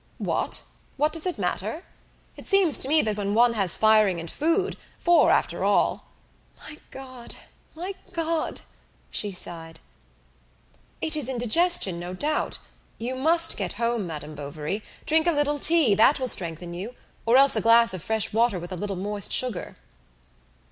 "What! What does it matter? It seems to me that when one has firing and food for, after all " "My God! my God!" she sighed. "It is indigestion, no doubt? You must get home, Madame Bovary; drink a little tea, that will strengthen you, or else a glass of fresh water with a little moist sugar."